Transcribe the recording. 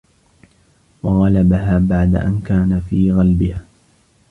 وَغَلَبَهَا بَعْدَ أَنْ كَانَ فِي غَلْبِهَا